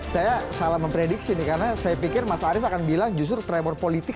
saya salah memprediksi nih karena saya pikir mas arief akan bilang justru tremor politik